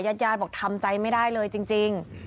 ยาดบอกทำใจไม่ได้เลยจริง